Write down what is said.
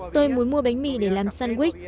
tôi muốn mua bánh mì để làm sandwich